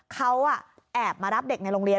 เขาแอบมารับเด็กในโรงเรียน